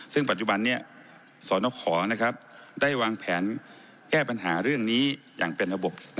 ซึ่งปัจจุบันนี้สนขอได้วางแผนแก้ปัญหาเรื่องนี้อย่างเป็นระบบ